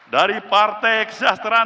dari partai kesejahteraan